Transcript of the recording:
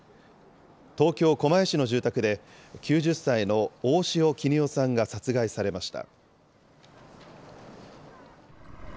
東京・狛江市の住宅で、９０歳の大塩衣與さんが殺害されました。